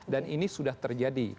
dan ini sudah terjadi